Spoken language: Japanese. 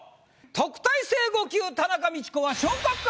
特待生５級田中道子は。